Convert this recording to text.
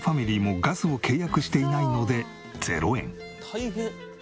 大変。